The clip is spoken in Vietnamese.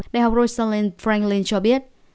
đại học rosalind franklin cho biết